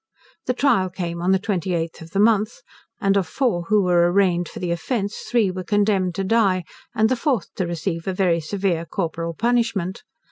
The trial came on the 28th of the month, and of four who were arraigned for the offence, three were condemned to die, and the fourth to receive a very severe corporal punishment.